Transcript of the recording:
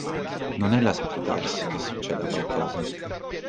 Non è l'aspettarsi che succeda qualcosa.